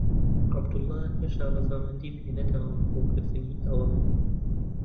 عەبدوڵڵا هێشتا ڕەزامەندیی پێ نەداوم بۆ کردنی ئەوە.